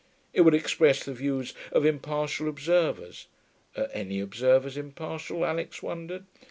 It would express the views of impartial observers (are any observers impartial, Alix wondered?)